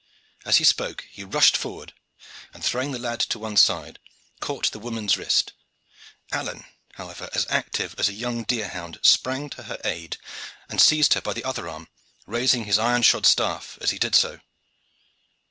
As he spoke he rushed forward, and, throwing the lad to one side, caught the woman's wrist. Alleyne, however, as active as a young deer hound, sprang to her aid and seized her by the other arm, raising his iron shod staff as he did so.